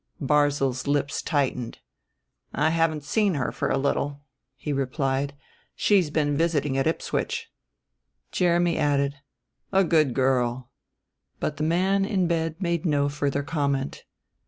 Barzil's lips tightened. "I haven't seen her for a little," he replied. "She's been visiting at Ipswich." Jeremy added, "A good girl," but the man in bed made no further comment.